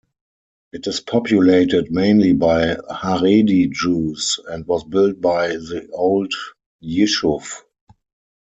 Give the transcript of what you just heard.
It is populated mainly by Haredi Jews and was built by the Old Yishuv.